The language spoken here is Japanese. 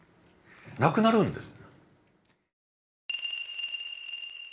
無くなるんです。